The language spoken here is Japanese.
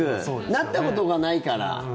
なったことがないから。